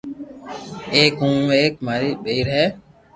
ايڪ ھون ھون ايڪ ماري ڀيئير ھي